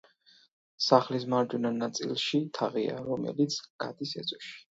სახლის მარჯვენა ნაწილში თაღია, რომელიც გადის ეზოში.